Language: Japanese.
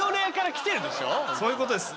そういうことです。